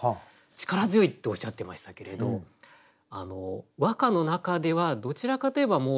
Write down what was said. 「力強い」っておっしゃってましたけれど和歌の中ではどちらかといえば魂の象徴。